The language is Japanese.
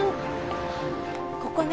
ここね。